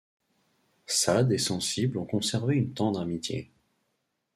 Sade et Sensible ont conservé une tendre amitié.